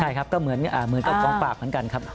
ใช่ครับก็เหมือนกับกองปราบเหมือนกันครับ